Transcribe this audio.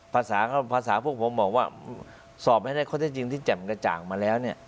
ภาษาพวกผมบอกว่าสอบให้ได้ความจริงที่จำกระจ่างมาแล้ว